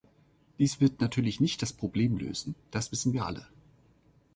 Dies wird natürlich nicht das Problem lösen, das wissen wir alle.